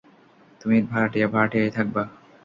তুমি ভাড়াটিয়া, ভাড়াটিয়াই থাকবা।